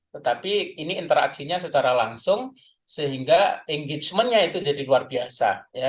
tetapi ini interaksinya secara langsung sehingga engagementnya itu jadi luar biasa